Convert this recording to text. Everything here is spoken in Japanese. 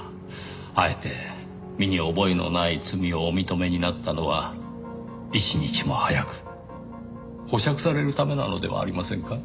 あえて身に覚えのない罪をお認めになったのは一日も早く保釈されるためなのではありませんか？